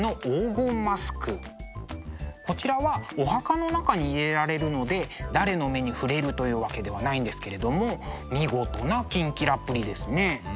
こちらはお墓の中に入れられるので誰の目に触れるというわけではないんですけれども見事なキンキラっぷりですね。